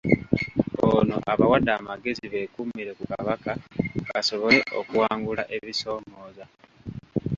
Ono abawadde amagezi bekuumire ku Kabaka basobole okuwangula ebisomooza.